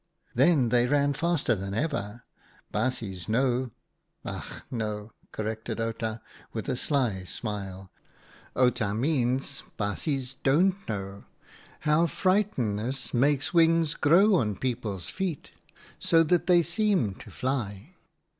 " Then they ran faster than ever. Baasjes know — ach no !" corrected Outa, with a sly smile ;" Outa means baasjes don't know — how frightenness makes wings grow on people's feet, so that they seem to fly.